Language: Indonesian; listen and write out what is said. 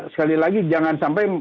sekali lagi jangan sampai